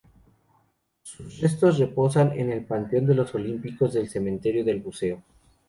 Sus restos reposan en el Panteón de los Olímpicos del Cementerio del Buceo.